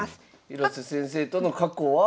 広瀬先生との過去は？